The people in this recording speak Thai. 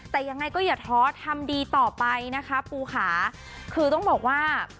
แต่ยังไงก็อย่าท้อทำดีต่อไปนะคะปูค่ะคือต้องบอกว่า